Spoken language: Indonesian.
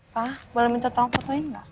pak boleh minta tau foto ini gak